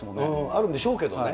あるんでしょうけどね。